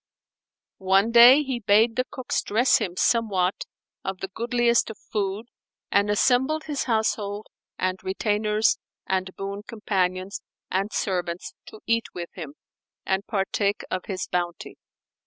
One day, he bade the cooks dress him somewhat of the goodliest of food and assembled his household and retainers and boon companions and servants to eat with him, and partake of his bounty.